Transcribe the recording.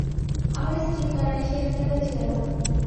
আমার স্ত্রীর কারণে সেই যাত্রা বেঁচে গেলাম।